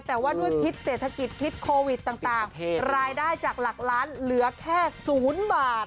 แต่ว่าด้วยพิษเศรษฐกิจพิษโควิดต่างรายได้จากหลักล้านเหลือแค่๐บาท